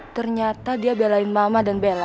ternyata dia belain mama dan bela